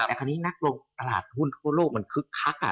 แต่คราวนี้นักลงตลาดหุ้นทั่วโลกมันคึกคัก